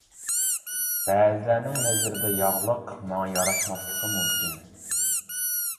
بەزىلەرنىڭ نەزىرىدە ياغلىق ماڭا ياراشماسلىقى مۇمكىن.